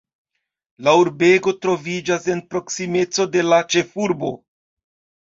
La urbego troviĝas en proksimeco de la ĉefurbo.